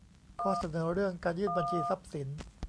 ข้อเสนอเรื่องการยื่นบัญชีทรัพย์สิน